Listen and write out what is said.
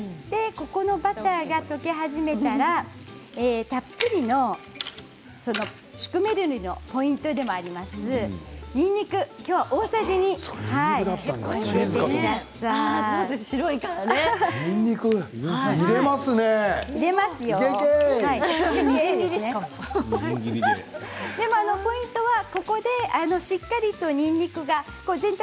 ここのバターが溶け始めたらたっぷりのシュクメルリのポイントでもあります、にんにくそれ、にんにくだったんだ。